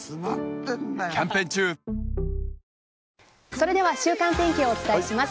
それでは週間天気をお伝えします。